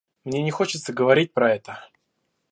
Мне не хочется говорить про это.